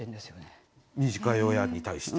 「短夜や」に対して。